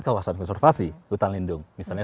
kawasan konservasi hutan lindung misalnya